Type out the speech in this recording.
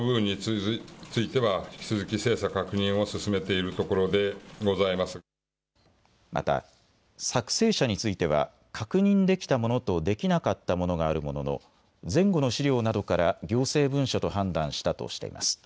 一方、文書の中身については。また作成者については確認できたものとできなかったものがあるものの前後の資料などから行政文書と判断したとしています。